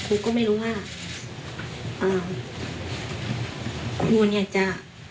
ครูก็ไม่รู้ว่าอ้าวครูเนี่ยจะ